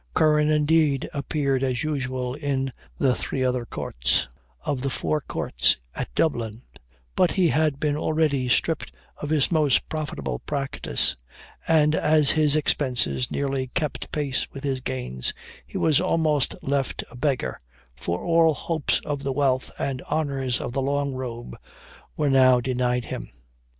Curran, indeed, appeared as usual in the three other courts [of the "Four Courts" at Dublin]; but he had been already stripped of his most profitable practice, and as his expenses nearly kept pace with his gains, he was almost left a beggar, for all hopes of the wealth and honors of the long robe were now denied him.